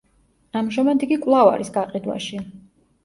ამჟამად იგი კვლავ არის გაყიდვაში.